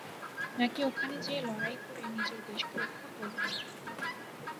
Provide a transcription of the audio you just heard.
না কি ওখানে যেয়ে লড়াই করে নিজের দেশকে রক্ষা করবেন?